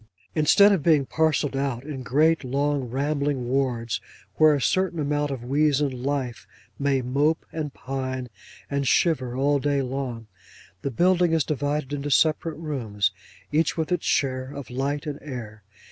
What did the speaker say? Instead of being parcelled out in great, long, rambling wards, where a certain amount of weazen life may mope, and pine, and shiver, all day long, the building is divided into separate rooms, each with its share of light and air.